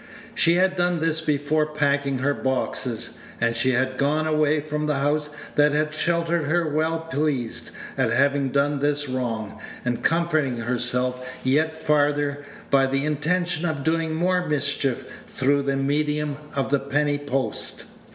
She had done this before packing her boxes; and she had gone away from the house that had sheltered her well pleased at having done this wrong, and comforting herself yet farther by the intention of doing more mischief through the medium of the penny post.